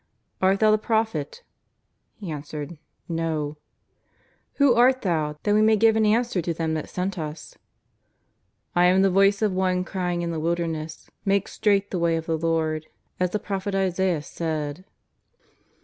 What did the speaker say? "Art thou the Prophet ?" He answered :" Xo." " Who art thou, that we may give an answer to them that sent us ?" "I am the voice of one crying in the wilderness: Make straight the way of the Lord, as the prophet Isaias said."